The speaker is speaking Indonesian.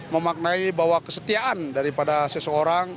memaknai bahwa kesetiaan daripada seseorang